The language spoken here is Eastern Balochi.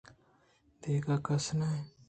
دگہ کس ناں